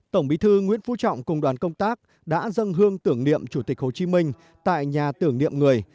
tổng bí thư nguyễn phú trọng cùng đoàn công tác đã dâng hương tưởng niệm chủ tịch hồ chí minh tại nhà tưởng niệm người